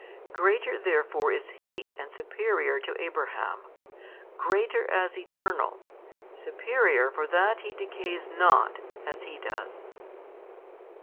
Greater therefore is He and Superior to Abraham: greater as Eternal, Superior for that He decays not as he does.